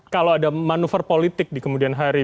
kalau ada manuver politik di kemudian hari